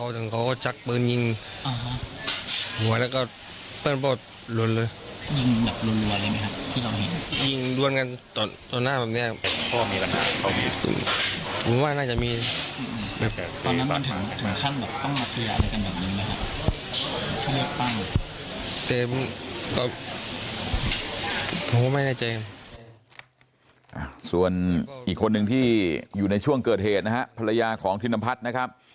ส่วนอีกคนนึงที่อยู่ในช่วงเกิดเหตุนะฮะภรรยาของธินพัฒน์นะครับ